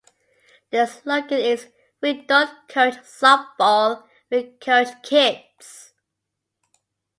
Their slogan is "We don't coach softball, we coach kids".